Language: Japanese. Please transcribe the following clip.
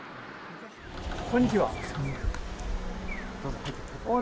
こんにちは。